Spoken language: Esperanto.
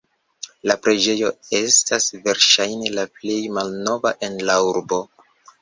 La preĝejo estas verŝajne la plej malnova en la urbo.